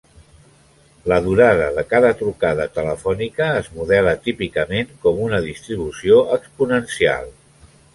La durada de cada trucada telefònica es modela típicament com una distribució exponencial.